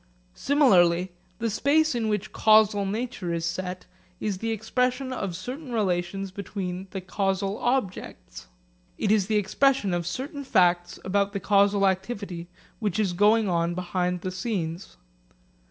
Similarly the space in which causal nature is set is the expression of certain relations between the causal objects. It is the expression of certain facts about the causal activity which is going on behind the scenes.